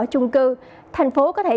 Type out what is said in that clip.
trung cư thành phố có thể